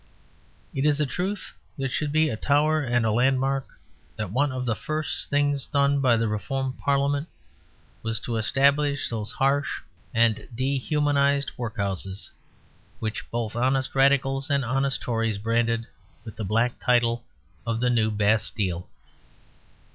It is a truth that should be a tower and a landmark, that one of the first things done by the Reform Parliament was to establish those harsh and dehumanised workhouses which both honest Radicals and honest Tories branded with the black title of the New Bastille.